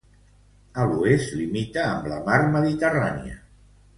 A l'oest limita amb la mar Mediterrània.